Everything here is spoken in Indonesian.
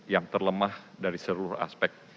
yang terlemah dari seluruh aspek